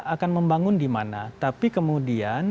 akan membangun di mana tapi kemudian